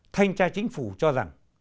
thanh tra chính phủ cho rằng